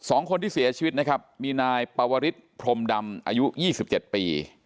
สองคนที่เสียชีวิตนะครับมีนายปวริศพรมดำอายุ๒๗ปี